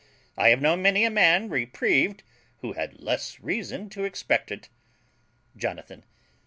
I have known many a man reprieved who had less reason to expect it. JONATHAN.